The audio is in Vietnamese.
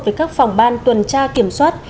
với các phòng ban tuần tra kiểm soát